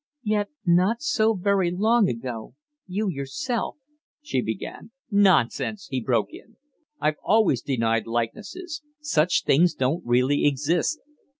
"Yet not so very long ago, you yourself " she began. "Nonsense!" he broke in. "I've always denied likenesses. Such things don't really exist.